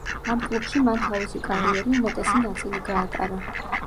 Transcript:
ამ კლუბში მან თავისი კარიერი უმეტესი ნაწილი გაატარა.